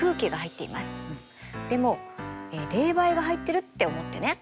でも冷媒が入ってるって思ってね。